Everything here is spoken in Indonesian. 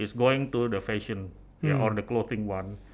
akan ke pakaian atau pakaian